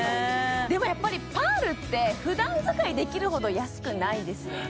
でもやっぱりパールって普段使いできるほど安くないですよね